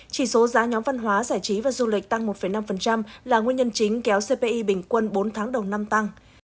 chỉ số giá nhóm văn hóa giải trí và du lịch tăng một năm là nguyên nhân chính kéo cpi bình quân bốn tháng đầu năm tăng